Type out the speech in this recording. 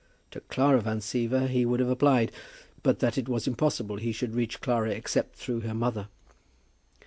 To Clara Van Siever he would have applied, but that it was impossible he should reach Clara except through her mother.